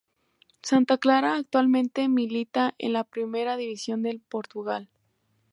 Santa Clara actualmente milita en la primera división de Portugal.